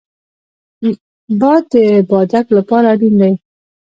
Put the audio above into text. باد د بادک لپاره اړین دی